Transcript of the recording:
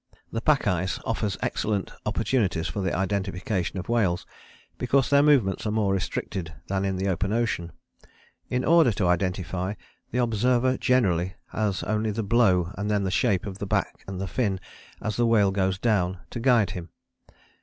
The pack ice offers excellent opportunities for the identification of whales, because their movements are more restricted than in the open ocean. In order to identify, the observer generally has only the blow, and then the shape of the back and fin as the whale goes down, to guide him.